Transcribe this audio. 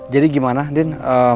jadi gimana din